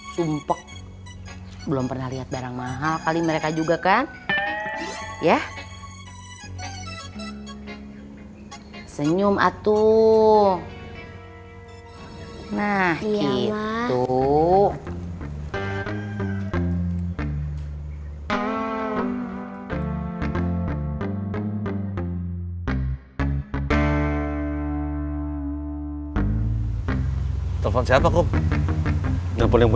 sumpah belum pernah lihat barang mahal kali mereka juga kan ya senyum atuh nah itu